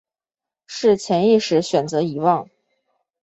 是潜意识选择遗忘